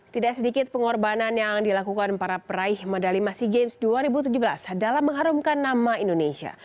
tidak sedikit pengorbanan yang dilakukan para peraih medali masi games dua ribu tujuh belas dalam mengharumkan nama indonesia